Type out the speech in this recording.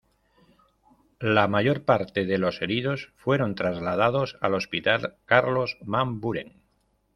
La mayor parte de los heridos fueron trasladados al Hospital Carlos Van Buren.